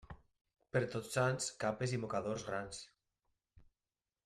Per Tots Sants, capes i mocadors grans.